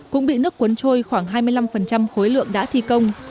cũng bị nước cuốn trôi khoảng hai mươi năm khối lượng đã thi công